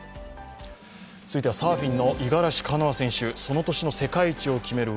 続いては、サーフィンの五十嵐カノア選手、その年の世界一を決める